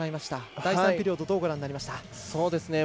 第３ピリオドどうご覧になりました？